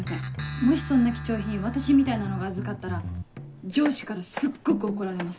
もしそんな貴重品私みたいなのが預かったら上司からすっごく怒られます。